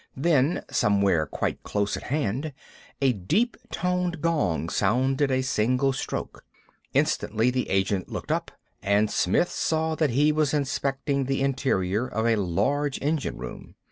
Then, somewhere quite close at hand, a deep toned gong sounded a single stroke. Instantly the agent looked up; and Smith saw that he was inspecting the interior of a large engine room.